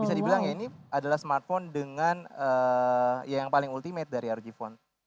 bisa dibilang ya ini adalah smartphone dengan yang paling ultimate dari rog phone